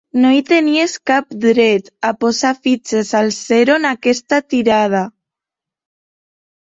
No hi tenies cap dret, a posar fitxes al zero en aquesta tirada.